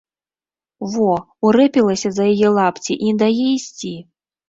Во, урэпілася за яе лапці і не дае ісці.